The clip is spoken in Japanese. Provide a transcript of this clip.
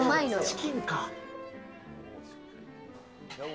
チキンか。